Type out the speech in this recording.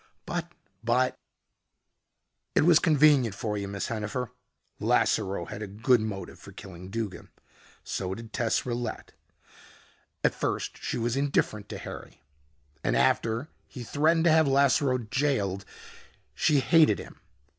"But but " "It was convenient for you, Miss Hennifer. Lasseroe had a good motive for killing Duggin. So did Tess Rillette. At first she was indifferent to Harry. And after he threatened to have Lasseroe jailed, she hated him.